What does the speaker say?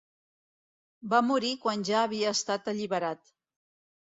Va morir quan ja havia estat alliberat.